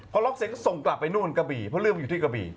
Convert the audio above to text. พอล็อกเสร็จก็ส่งกลับไปนู่นกระบี่เพราะเรื่องมันอยู่ที่กระบี่